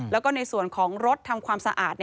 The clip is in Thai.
แล้วก็ในส่วนของรถทำความสะอาด